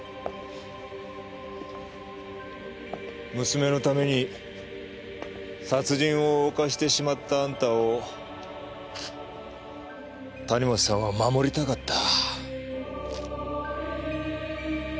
娘のために殺人を犯してしまったあんたを谷本さんは守りたかった。